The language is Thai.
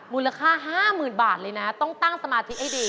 มูลค่า๕๐๐๐บาทเลยนะต้องตั้งสมาธิให้ดี